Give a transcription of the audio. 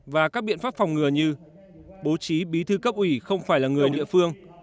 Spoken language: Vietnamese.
và các biện pháp phòng ngừa như bố trí bí thư cấp ủy không phải là người địa phương